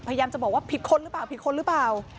พยายามจะบอกว่าผิดคนหรือเปล่าผิดคนหรือเปล่า